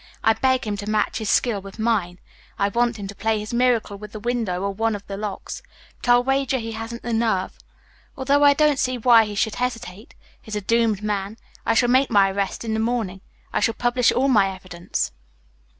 I beg him to match his skill with mine. I want him to play his miracle with the window or one of the locks. But I'll wager he hasn't the nerve, although I don't see why he should hesitate. He's a doomed man. I shall make my arrest in the morning. I shall publish all my evidence."